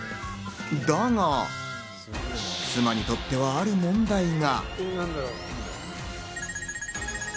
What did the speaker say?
だが、妻にとっては、ある問題が。